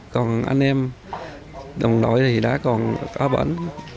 còn anh em đồng đội thì đã còn có bệnh